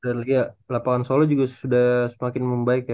dan iya lapangan solo juga sudah semakin membaik ya